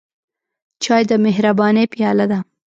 چای د مهربانۍ پیاله ده.